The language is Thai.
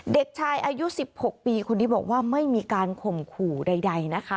เด็กชายอายุ๑๖ปีคนนี้บอกว่าไม่มีการข่มขู่ใดนะคะ